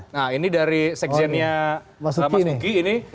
nah ini dari sekjennya mas duki ini